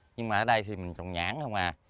nhưng mà ở đây thì mình trồng nhãn không à